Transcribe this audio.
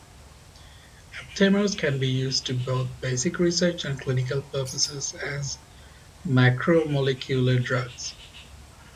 Aptamers can be used for both basic research and clinical purposes as macromolecular drugs.